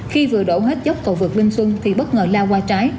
khi vừa đổ hết dốc cầu vượt minh xuân thì bất ngờ lao qua trái